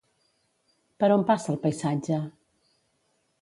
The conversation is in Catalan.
Per on passa el paisatge?